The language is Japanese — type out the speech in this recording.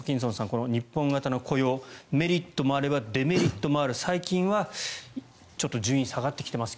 この日本型の雇用メリットもあればデメリットもある最近はちょっと順位が下がってきてます